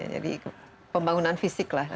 jadi pembangunan fisik lah